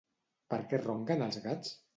Per què ronquen els gats?